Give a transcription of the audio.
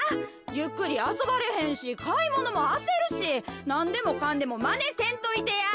ゆっくりあそばれへんしかいものもあせるしなんでもかんでもまねせんといてや。